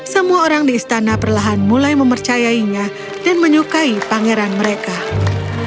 semua orang di istana perlahan mulai mempercayainya dan menyukai pangeran